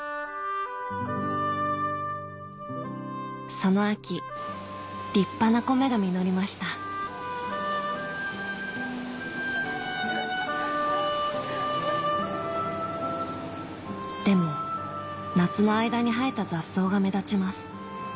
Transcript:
その秋立派な米が実りましたでも夏の間に生えた雑草が目立ちます